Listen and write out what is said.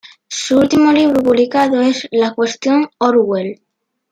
Su último libro publicado es "La cuestión Orwell".